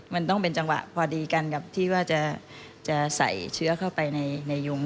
มันต้องเป็นจังหวะพอดีกันกับที่ว่าจะใส่เชื้อเข้าไปในยุง